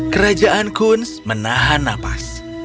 kerajaan kunz menahan napas